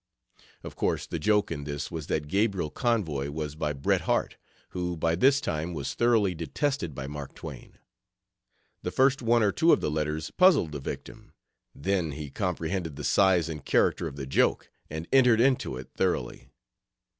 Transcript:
Of course, the joke in this was that Gabriel Convoy was by Bret Harte, who by this time was thoroughly detested by Mark Twain. The first one or two of the letters puzzled the victim; then he comprehended the size and character of the joke and entered into it thoroughly.